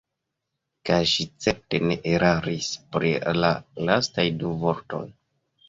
Kaj ŝi certe ne eraris pri la lastaj du vortoj.